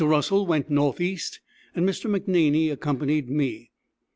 Russell went northeast and Mr. McNaney accompanied me.